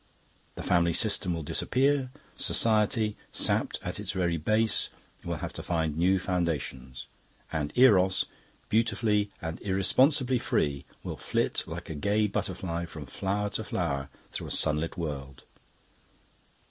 The family system will disappear; society, sapped at its very base, will have to find new foundations; and Eros, beautifully and irresponsibly free, will flit like a gay butterfly from flower to flower through a sunlit world."